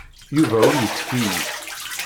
Yuba ur yettkeyyif.